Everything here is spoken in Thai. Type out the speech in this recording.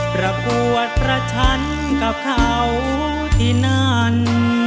ประกวดประชันกับเขาที่นั่น